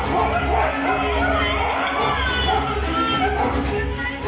โหเห็นไหม